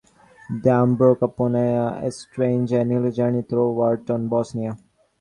They embark upon a strange and enlightening journey through war-torn Bosnia.